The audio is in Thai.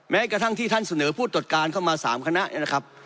แม้กระทั่งที่ท่านเสนอผู้ตรดการมา๓คณะนะครับ